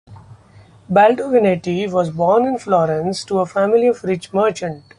Baldovinetti was born in Florence to a family of a rich merchant.